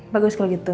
bagus kalau gitu